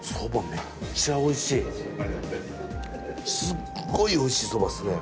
すごいおいしいそばっすね。